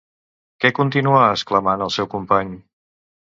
Què continuà exclamant el seu company?